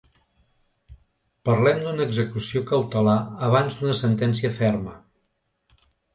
Parlem d’una execució cautelar abans d’una sentència ferma.